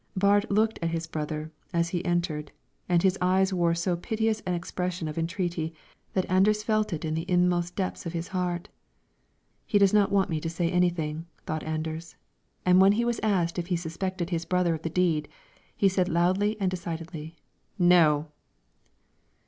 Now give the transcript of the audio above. Baard looked at his brother as he entered, and his eyes wore so piteous an expression of entreaty that Anders felt it in the inmost depths of his heart. "He does not want me to say anything," thought Anders, and when he was asked if he suspected his brother of the deed, he said loudly and decidedly, "No!"